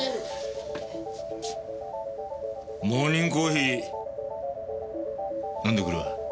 モーニングコーヒー飲んでくるわ。